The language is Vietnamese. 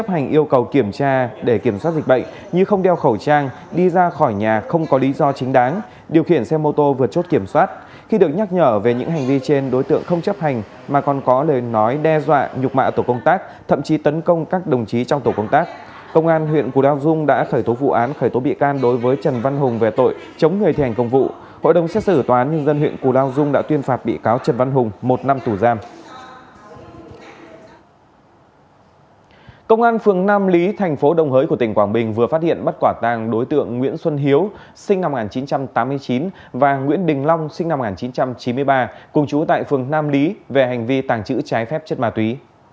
phương nam lý thành phố đông hới của tỉnh quảng bình vừa phát hiện bắt quả tàng đối tượng nguyễn xuân hiếu sinh năm một nghìn chín trăm tám mươi chín và nguyễn đình long sinh năm một nghìn chín trăm chín mươi ba cùng chú tại phương nam lý về hành vi tàng trữ trái phép chất ma túy